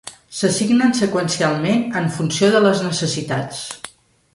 S'assignen seqüencialment en funció de les necessitats.